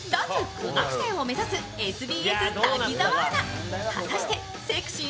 苦学生を目指すＳＢＳ、滝澤アナ。